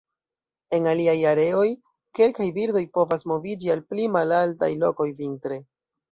En aliaj areoj, kelkaj birdoj povas moviĝi al pli malaltaj lokoj vintre.